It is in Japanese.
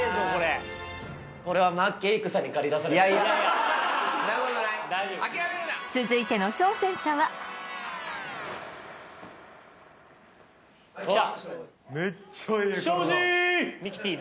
これは続いての挑戦者は「ミキティー！」